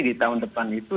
di tahun depan itu